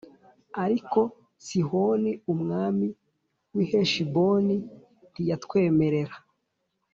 Ariko Sihoni umwami w’i Heshiboni ntiyatwemerera